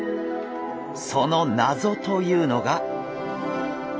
その謎というのが。